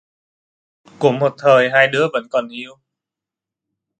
Của một thời hai đứa vẫn còn yêu...